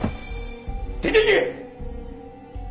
出ていけ！